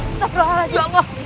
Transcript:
sudah berulang lagi